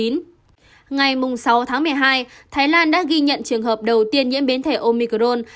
ngày sáu tháng một mươi hai thái lan đã ghi nhận trường hợp đầu tiên nhiễm biến thể omicron